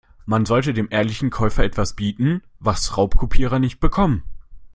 Man sollte dem ehrlichen Käufer etwas bieten, was Raubkopierer nicht bekommen.